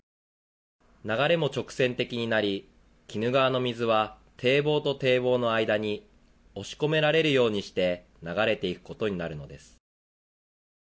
流れも直線的になり鬼怒川の水は堤防と堤防の間に押し込められるようにして流れていくことになるのです。